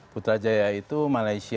putrajaya itu malaysia